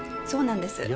そうなんです。